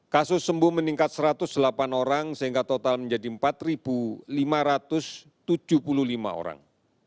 kasus sembuh meningkat satu ratus delapan orang sehingga total menjadi empat lima ratus tujuh puluh lima orang